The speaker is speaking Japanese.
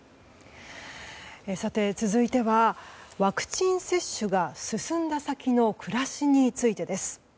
さて、続いてはワクチン接種が進んだ先の暮らしについてです。